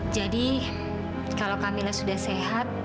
jadi kalau camilla sudah sehat